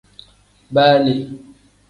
Baa le.